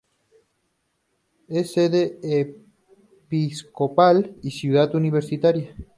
Es sede episcopal y ciudad universitaria.